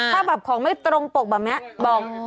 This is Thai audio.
ถ้าแบบของไม่ตรงปกแบบนี้บอก